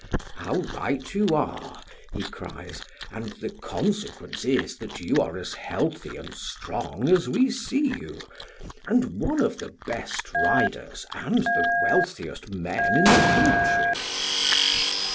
"How right you are!" he cries, "and the consequence is that you are as healthy and strong as we see you, and one of the best riders and the wealthiest men in the country!"